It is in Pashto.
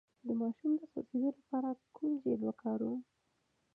د ماشوم د سوځیدو لپاره کوم جیل وکاروم؟